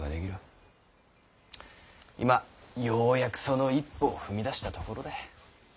今ようやくその一歩を踏み出したところだ。